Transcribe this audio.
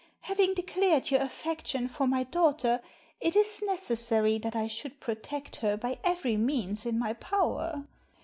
Having declared your affection for my daughter, it is necessary that I should protect her by every means in my power.